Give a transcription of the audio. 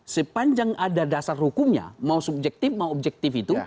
sepanjang ada dasar hukumnya mau subjektif mau objektif itu